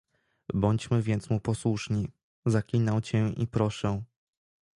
"Bądźmy więc mu posłuszni, zaklinam cię i proszę."